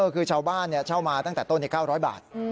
คือชาวบ้านเช่ามาตั้งแต่ต้น๙๐๐บาท